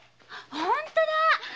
ほんとだ！